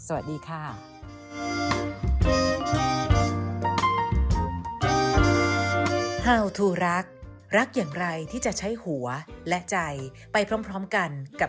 สวัสดีค่ะ